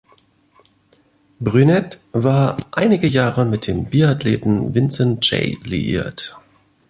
Brunet war einige Jahre mit dem Biathleten Vincent Jay liiert.